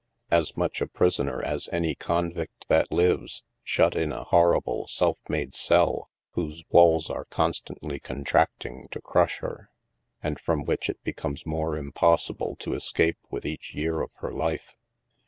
As much a prisoner as any convict that lives ; shut in a horrible self made cell whose walls are constantly contract ing to crush her and from which it becomes more impossible to escape with each year of her life.